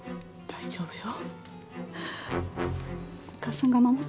大丈夫よ